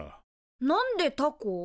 なんでタコ？